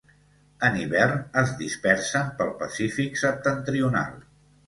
En hivern es dispersen pel Pacífic Septentrional.